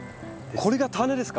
これが種ですか？